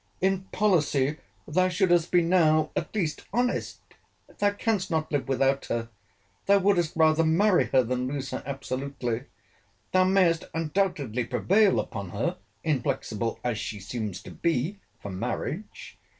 In policy thou shouldest be now at least honest. Thou canst not live without her. Thou wouldest rather marry her than lose her absolutely. Thou mayest undoubtedly prevail upon her, inflexible as she seems to be, for marriage.